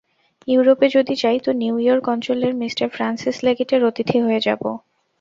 ইউরোপে যদি যাই তো নিউ ইয়র্ক অঞ্চলের মি ফ্রান্সিস লেগেটের অতিথি হয়ে যাব।